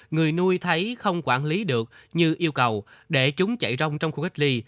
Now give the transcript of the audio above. người nuôi thấy không quản lý được như yêu cầu để chúng chạy rong trong khu cách ly